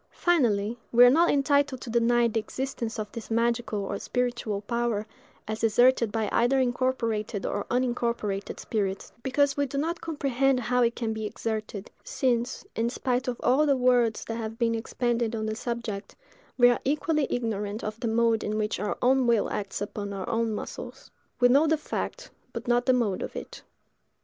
Finally, we are not entitled to deny the existence of this magical or spiritual power, as exerted by either incorporated or unincorporated spirits, because we do not comprehend how it can be exerted; since, in spite of all the words that have been expended on the subject, we are equally ignorant of the mode in which our own will acts upon our own muscles. We know the fact, but not the mode of it.